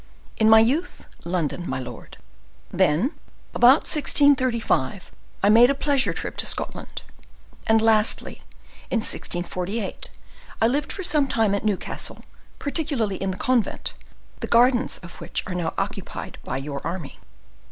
"In my youth, London, my lord; then, about 1635, I made a pleasure trip to Scotland; and lastly, in 1648, I lived for some time at Newcastle, particularly in the convent, the gardens of which are now occupied by your army."